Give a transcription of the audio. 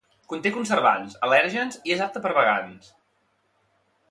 Conté conservants, al·lèrgens i és apte per a vegans.